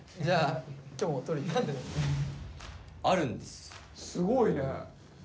すごいね。